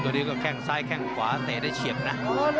ตัวนี้ก็แข้งซ้ายแข้งขวาเตะได้เฉียบนะ